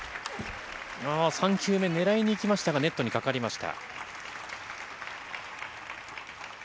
３球目、狙いにいきましたが、ネットにかかりました。